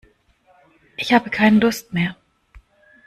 Ich habe keinen Durst mehr.